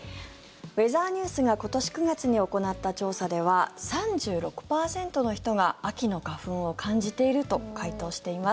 ウェザーニュースが今年９月に行った調査では３６％の人が秋の花粉を感じていると回答しています。